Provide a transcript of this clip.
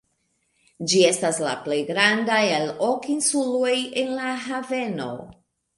Ĝi estas la plej granda el ok insuloj en la haveno.